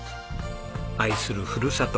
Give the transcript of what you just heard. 愛するふるさと